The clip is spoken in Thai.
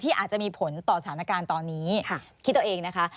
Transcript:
อาจจะมีผลต่อสถานการณ์ตอนนี้คิดเอาเองนะคะ